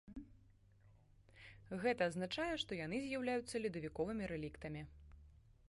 Гэта азначае, што яны з'яўляюцца ледавіковымі рэліктамі.